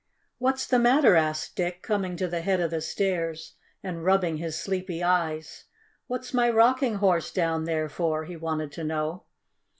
"What's the matter?" asked Dick, coming to the head of the stairs, and rubbing his sleepy eyes. "What's my Rocking Horse down there for?" he wanted to know.